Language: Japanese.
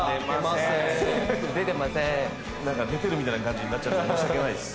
何か出てるみたいな感じになって申し訳ないです